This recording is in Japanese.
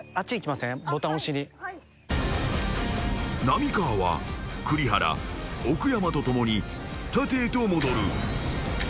［浪川は栗原奥山と共に盾へと戻る］